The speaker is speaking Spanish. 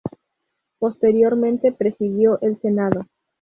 Posteriormente presidió el Senado.